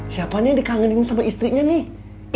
siapa nih yang dikangenin sama istrinya nih